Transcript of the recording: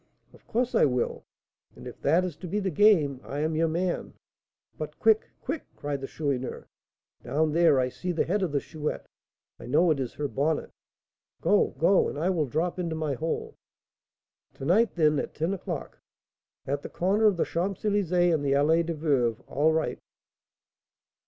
"Of course I will; and, if that is to be the game, I am your man. But quick, quick," cried the Chourineur, "down there I see the head of the Chouette. I know it is her bonnet. Go, go, and I will drop into my hole." "To night, then, at ten o'clock." "At the corner of the Champs Elysées and the Allée des Veuves; all right."